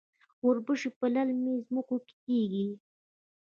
وربشې په للمي ځمکو کې کیږي.